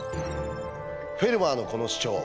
フェルマーのこの主張